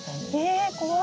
え怖い。